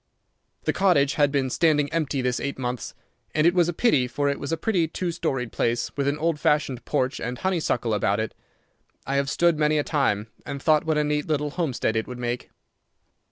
The cottage had been standing empty this eight months, and it was a pity, for it was a pretty two storied place, with an old fashioned porch and honeysuckle about it. I have stood many a time and thought what a neat little homestead it would make.